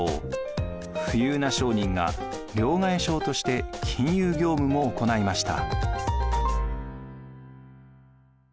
富裕な商人が両替商として金融業務も行いました。